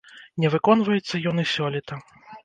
Не выконваецца ён і сёлета.